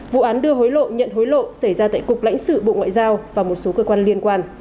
vụ án đưa hối lộ nhận hối lộ xảy ra tại cục lãnh sự bộ ngoại giao và một số cơ quan liên quan